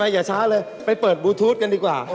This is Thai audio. ไปอย่าช้าเลยไปเปิดบูคูดทรัพย์กันดีกว่า